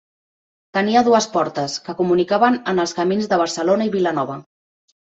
Tenia dues portes, que comunicaven en els camins de Barcelona i Vilanova.